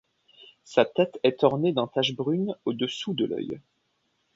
Sa tête est ornée d'un tache brune au-dessous de l’œil.